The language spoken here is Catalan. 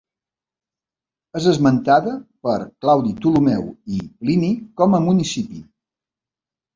És esmentada per Claudi Ptolemeu i Plini com a municipi.